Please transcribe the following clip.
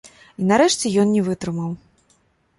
І, нарэшце, ён не вытрымаў.